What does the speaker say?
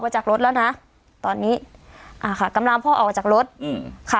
จากรถแล้วนะตอนนี้อ่าค่ะกำลังพ่อออกมาจากรถอืมค่ะ